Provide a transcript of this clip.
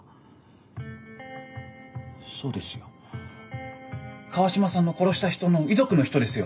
そうですよ川島さんの殺した人の遺族の人ですよ。